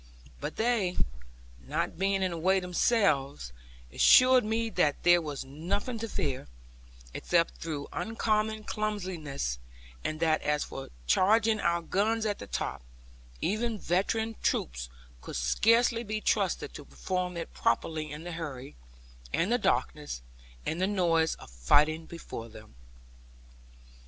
But they, not being in the way themselves, assured me that there was nothing to fear, except through uncommon clumsiness; and that as for charging our guns at the top, even veteran troops could scarcely be trusted to perform it properly in the hurry, and the darkness, and the noise of fighting before them.